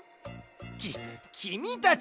ききみたち！